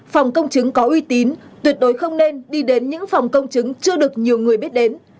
phòng công chứng có uy tín tuyệt đối không nên đi đến những phòng công chứng chưa được nhiều người biết đến